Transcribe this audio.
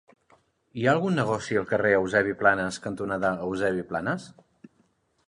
Hi ha algun negoci al carrer Eusebi Planas cantonada Eusebi Planas?